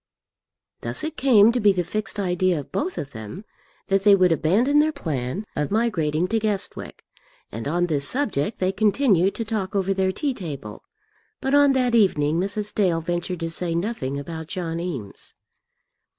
Thus it came to be the fixed idea of both of them that they would abandon their plan of migrating to Guestwick, and on this subject they continued to talk over their tea table; but on that evening Mrs. Dale ventured to say nothing about John Eames.